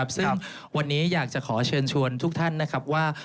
ซึ่งวันนี้อยากจะขอเชิญชวนทุกท่านนะครับว่า